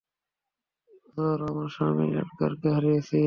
এই বছর আমার স্বামী এডগারকে হারিয়েছি।